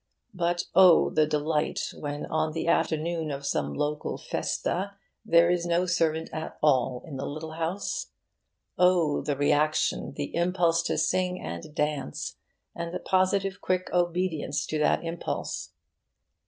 But oh, the delight when on the afternoon of some local festa there is no servant at all in the little house! Oh, the reaction, the impulse to sing and dance, and the positive quick obedience to that impulse!